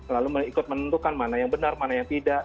lalu ikut menentukan mana yang benar mana yang tidak